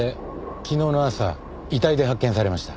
昨日の朝遺体で発見されました。